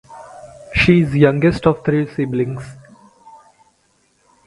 She is youngest of three siblings.